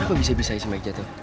apa bisa bisa isi mike jatuh